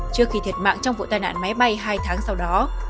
trước khi thiệt mạng trong vụ tai nạn máy bay hai tháng sau đó